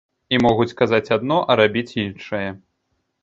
І могуць казаць адно, а рабіць іншае.